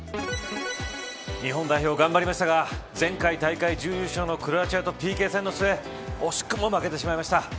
日本代表、頑張りましたが前回大会準優勝のクロアチアとＰＫ戦の末惜しくも負けてしまいました。